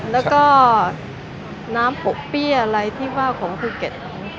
แล้วก็น้ำปกเปี้ยอะไรที่ว่าของภูเก็ต